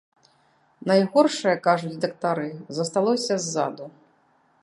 Найгоршае, кажуць дактары, засталося ззаду.